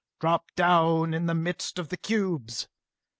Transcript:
"Drop down in the midst of the cubes!